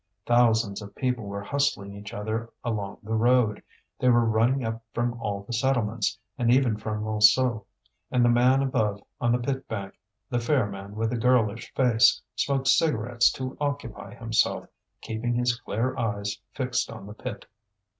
Thousands of people were hustling each other along the road; they were running up from all the settlements, and even from Montsou. And the man above, on the pit bank, the fair man with the girlish face, smoked cigarettes to occupy himself, keeping his clear eyes fixed on the pit.